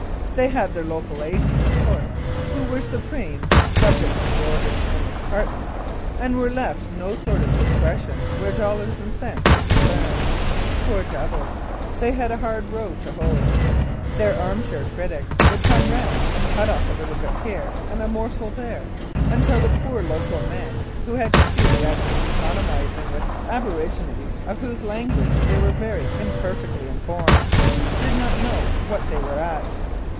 They had their local agents, of course, who were supreme (sub ject to the orders from the department), and were left no sort of discretion where dollars and cents were con cerned. Poor devils ! They had a hard row to hoe ! Their arm chair critics would come round and cut off a little bit here, and a morsel there, until the poor local men, who had to do the actual economising with abor igines, of whose language they were very imperfectly informed, did not know what they were at.